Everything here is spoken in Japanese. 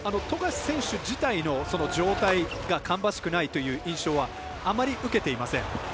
富樫選手自体の状態が芳しくないという印象はあまり受けていません。